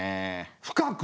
深く？